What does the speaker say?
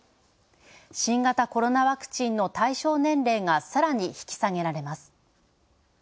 新型コロナワクチンの対象年齢がさらに引き下げられます。